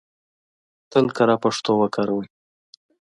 تل کره پښتو وکاروئ!